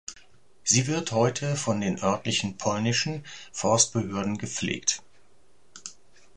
Sie wird heute von den örtlichen polnischen Forstbehörden gepflegt.